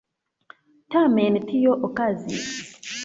Tamen tio okazis.